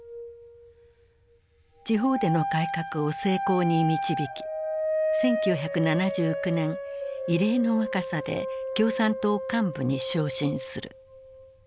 地方での改革を成功に導き１９７９年異例の若さで共産党幹部に昇進する。